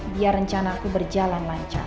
biar rencanaku berjalan lancar